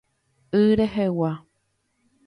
Y rehegua.